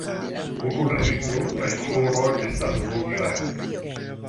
Okulringo kaj kruroj estas ruĝaj.